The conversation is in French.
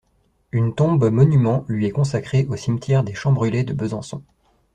Une tombe-monument lui est consacrée au cimetière des Champs Bruley de Besançon.